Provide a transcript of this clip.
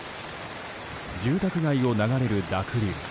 住宅街を流れる濁流。